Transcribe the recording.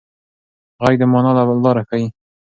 غږ د مانا لاره ښيي.